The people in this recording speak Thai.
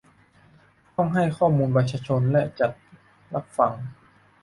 ต้องให้ข้อมูลประชาชนและจัดรับฟัง